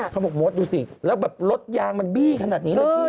หมดมดดูสิแล้วแบบรถยางมันบี้ขนาดนี้เลยพี่